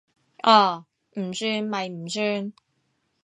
哦，唔算咪唔算